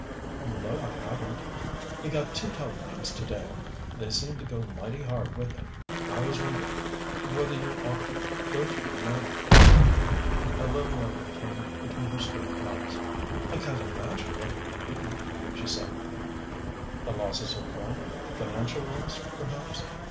"You know I haven't." "He got two telegrams to day. They seemed to go mighty hard with him. I was wondering whether you ought to go to him now." A little line came between her straight brows. "I can't imagine what they could be " she said. "The loss of some friend? Financial loss, perhaps